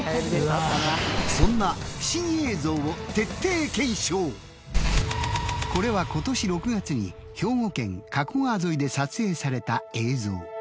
そんなこれは今年６月に兵庫県加古川沿いで撮影された映像。